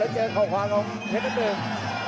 เจอเข้าขวาของเพชรน้ำหนึ่ง